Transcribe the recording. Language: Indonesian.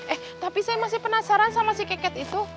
eh tapi saya masih penasaran sama si keket itu